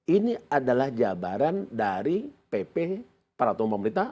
ini adalah jabaran dari pp para tumpang militer